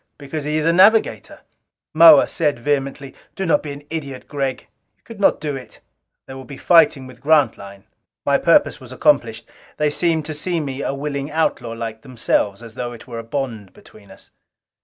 Because he is a navigator!" Moa said vehemently, "Do not be an idiot, Gregg! You could not do it! There will be fighting with Grantline!" My purpose was accomplished. They seemed to see me a willing outlaw like themselves. As though it were a bond between us.